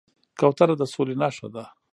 کوتره د سولې نښه ده